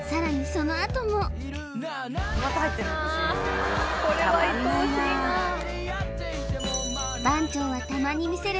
そのあとも番長はたまに見せる